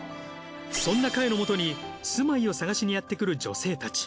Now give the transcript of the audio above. そんなかえのもとに住まいを探しにやってくる女性たち。